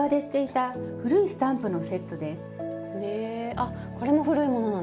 あこれも古いものなんですか？